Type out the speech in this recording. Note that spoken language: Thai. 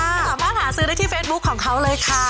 สามารถหาซื้อได้ที่เฟซบุ๊คของเขาเลยค่ะ